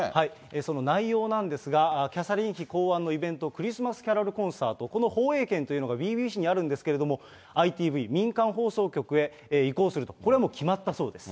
その内容なんですが、キャサリン妃考案のイベント、クリスマスキャロルコンサート、この放映権というのがＢＢＣにあるんですけれども、ＩＴＶ・民間放送局へ移行すると、これはもう決まったそうです。